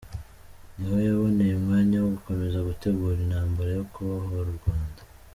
Niho yaboneye umwanya wo gukomeza gutegura intambara yo kubohora u Rwanda.